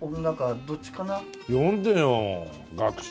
呼んでよ学生。